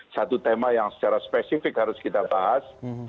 satu tema yang secara spesifik harus kita bahas